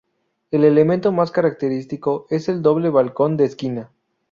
El elemento más característico es el doble balcón de esquina.